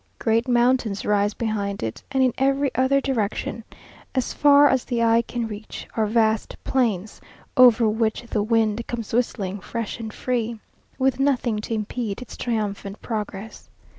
Great mountains rise behind it, and in every other direction, as far as the eye can reach, are vast plains, over which the wind comes whistling fresh and free, with nothing to impede its triumphant progress.